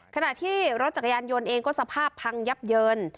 ขณะที่รถจักรยานยนต์เองก็สภาพพังยับเยิน